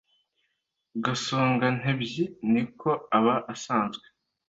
Gasongantebyi ni ko aba asanzwe.